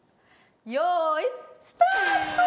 よいスタート！